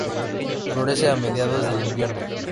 Florece a mediados del invierno.